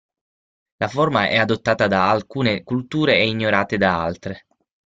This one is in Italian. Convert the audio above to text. La forma è adottata da alcune culture e ignorate da altre.